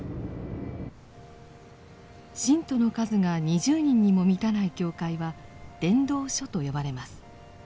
信徒の数が２０人にも満たない教会は伝道所と呼ばれます。